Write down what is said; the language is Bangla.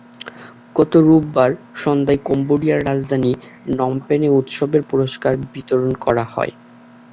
গত রোববার সন্ধ্যায় কম্বোডিয়ার রাজধানী নমপেনে উৎসবের পুরস্কার বিতরণ করা হয়।